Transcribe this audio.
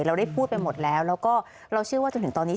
เราได้พูดไปหมดแล้วแล้วก็เราเชื่อว่าจนถึงตอนนี้